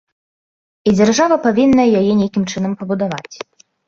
І дзяржава павінна яе нейкім чынам пабудаваць.